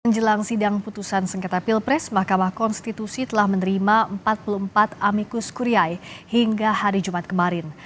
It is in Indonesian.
jelang sidang putusan sengketa pilpres mahkamah konstitusi telah menerima empat puluh empat amikus kuriai hingga hari jumat kemarin